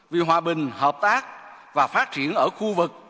vì hòa bình hợp tác và phát triển ở khu vực